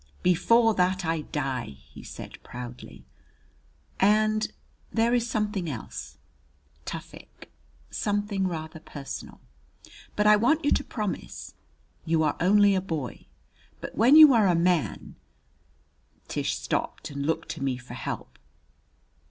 "Before that I die!" he said proudly. "And there is something else, Tufik, something rather personal. But I want you to promise. You are only a boy; but when you are a man " Tish stopped and looked to me for help.